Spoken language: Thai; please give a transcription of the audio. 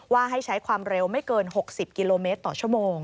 ให้ใช้ความเร็วไม่เกิน๖๐กิโลเมตรต่อชั่วโมง